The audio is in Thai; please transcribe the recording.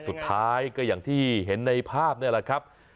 สุดท้ายก็อย่างที่เห็นในภาพนี่แหละครับ